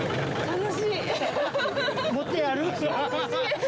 楽しい！